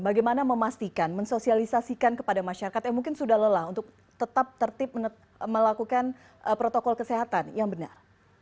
bagaimana memastikan mensosialisasikan kepada masyarakat yang mungkin sudah lelah untuk tetap tertib melakukan protokol kesehatan yang benar